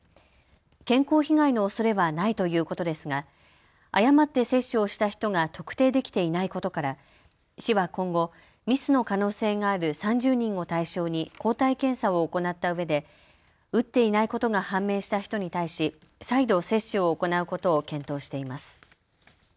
健康被害のおそれはないということですが誤って接種をした人が特定できていないことから市は今後、ミスの可能性がある３０人を対象に抗体検査を行ったうえで打っていないことが判明した人に対し再度、接種を行うことを検討しています。